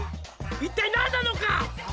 「一体何なのか？」